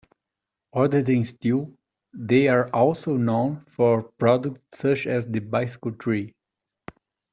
Other than steel, they are also known for products such as the bicycle tree.